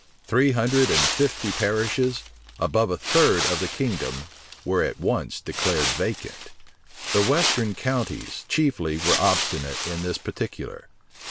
Three hundred and fifty parishes, above a third of the kingdom, were at once declared vacant. The western counties chiefly were obstinate in this particular.